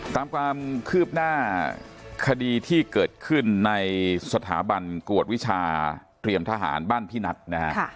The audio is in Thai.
ตามความคืบหน้าคดีที่เกิดขึ้นในสถาบันกวดวิชาเตรียมทหารบ้านพี่นัทนะฮะ